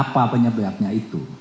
apa penyebabnya itu